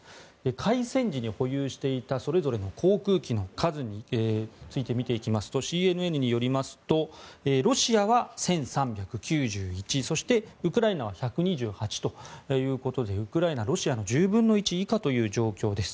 開戦時に保有していたそれぞれの航空機の数について見ていきますとＣＮＮによりますとロシアは１３９１そして、ウクライナは１２８ということでウクライナはロシアの１０分の１以下という状況です。